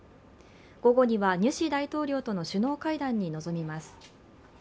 午後にはニュシ大統領との首脳会談に臨みます。